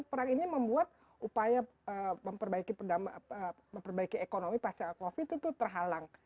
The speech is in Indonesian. perang ini membuat upaya memperbaiki ekonomi pasca covid itu terhalang